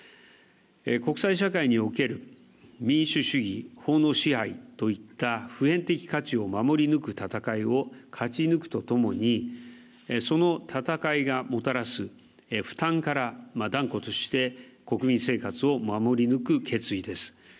国際社会における民主主義、法の支配といった普遍的価値を守り抜く戦いを勝ち抜くとともに、その戦いがもたらす負担から断固として国民生活を守り抜く決意です。